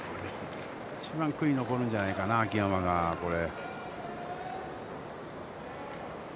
一番悔いが残るんじゃないかな秋山が、これ。